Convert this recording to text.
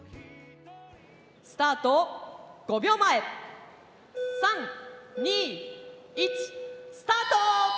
スタート５秒前３・２・１スタート！